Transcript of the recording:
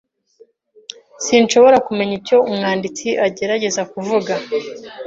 Sinshobora kumenya icyo umwanditsi agerageza kuvuga.